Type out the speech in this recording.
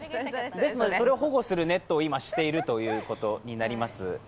ですのでそれを保護するネットを今、しているということです。